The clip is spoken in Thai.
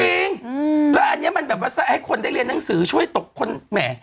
จริงแล้วอันนี้มันแบบว่าให้คนได้เรียนหนังสือช่วยตกคนแหม